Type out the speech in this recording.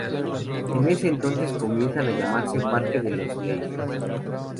En ese entonces comienza a llamarse Parque de los Lage.